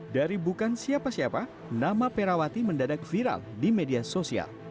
dari bukan siapa siapa nama perawati mendadak viral di media sosial